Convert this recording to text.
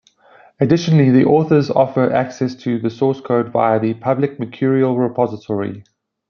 Additionally, the author offers access to the source code via a public Mercurial repository.